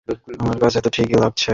আমার কাছে তো ঠিকই লাগছে।